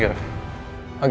oke selamat pagi